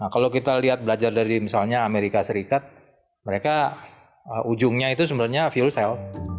kalau kita lihat belajar dari misalnya amerika serikat mereka ujungnya itu sebenarnya fuel cell